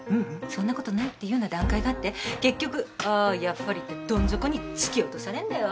そんなことない」っていうような段階があって結局「ああ。やっぱり」ってどん底に突き落とされんだよ。